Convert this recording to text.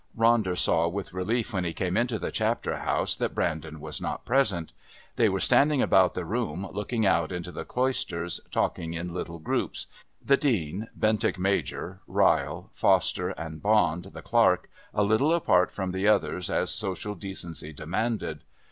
Ronder saw with relief when he came into the Chapter House that Brandon was not present. They were standing about the room, looking out into the Cloisters, talking in little groups the Dean, Bentinck Major, Ryle, Foster, and Bond, the Clerk, a little apart from the others as social decency demanded.